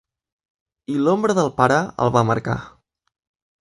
I l’ombra del pare el va marcar.